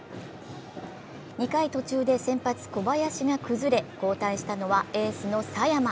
２回途中で先発・小林が崩れ交代したのはエースの佐山。